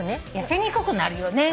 痩せにくくなるよね。